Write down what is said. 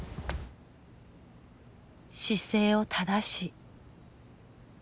姿勢を正し。